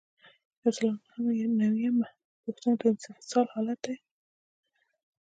یو سل او نهه نوي یمه پوښتنه د انفصال حالت دی.